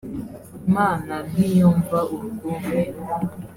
Imana ntiyumva urwumwe